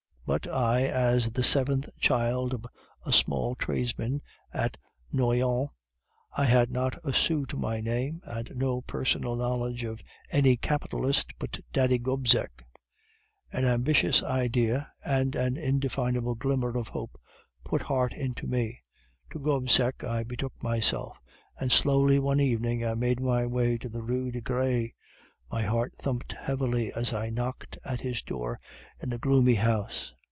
But I as the seventh child of a small tradesman at Noyon, I had not a sou to my name, nor personal knowledge of any capitalist but Daddy Gobseck. An ambitious idea, and an indefinable glimmer of hope, put heart into me. To Gobseck I betook myself, and slowly one evening I made my way to the Rue des Gres. My heart thumped heavily as I knocked at his door in the gloomy house.